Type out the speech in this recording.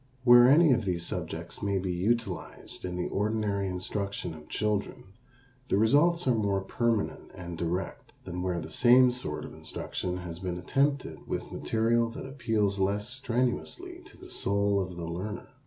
Where any of these subjects may be utilized in the ordinary instruction of children the results are more permanent and direct than where the same sort of instruction has been attempted with material that appeals less strenuously to the soul of the learner.